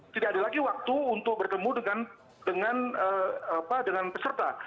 tidak ada lagi waktu untuk bertemu dengan peserta